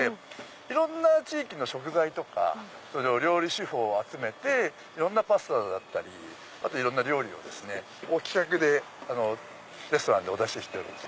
いろんな地域の食材とか料理手法を集めていろんなパスタだったりいろんな料理を企画でレストランでお出ししております。